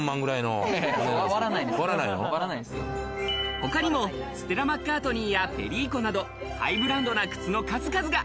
他にも、ステラマッカートニーやペリーコなどハイブランドな靴の数々が。